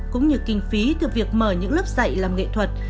cũng như kinh phí từ việc mở những lớp dạy làm nghệ thuật